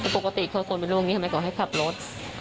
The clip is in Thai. ปกติเขาคนเป็นโรคนี้ทำไมเขาให้ขับรถ